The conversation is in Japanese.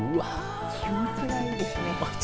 気持ちがいいですね。